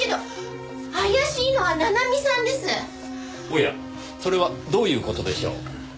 おやそれはどういう事でしょう？